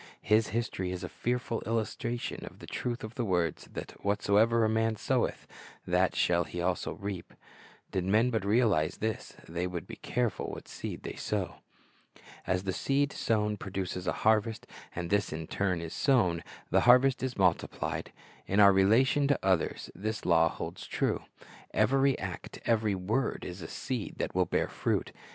His history is a fearful illustration of the truth of the words that "whatsoever a man soweth, that shall he also reap."^ Did men but realize this, they would be careful what seed they sow. As the seed sown produces a harvest, and this in turn is sown, the harvest is multiplied. In our relation to others, this law holds true. Every act, every word, is a seed that wnll bear fruit.